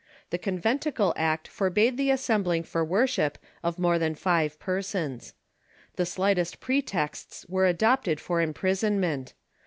The Con venticle Act forbade the assembling for Avorship of more than five persons. The slightest pretexts were adopted for impris onment.